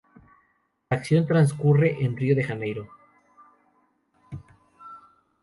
La acción transcurre en Río de Janeiro.